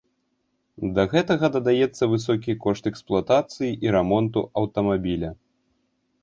Да гэтага дадаецца высокі кошт эксплуатацыі і рамонту аўтамабіля.